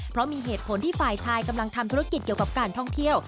เพราะมีเหตุผลที่ฝ่ายชายกำลังทำธุรกิจเกี่ยวกับการท่องเที่ยว